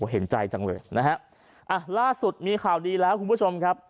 เห็นใจจังเลยนะฮะอ่ะล่าสุดมีข่าวดีแล้วคุณผู้ชมครับ